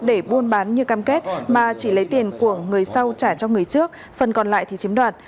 để buôn bán như cam kết mà chỉ lấy tiền của người sau trả cho người trước phần còn lại thì chiếm đoạt